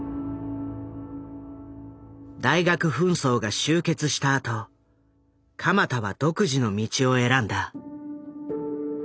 大学紛争が終結したあと鎌田は独自の道を選んだ。